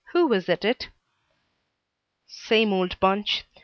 Who was at it?" "Same old bunch.